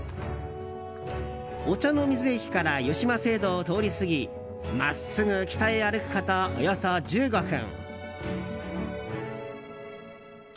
御茶ノ水駅から湯島聖堂を通り過ぎ真っすぐ北へ歩くことおよそ１５分。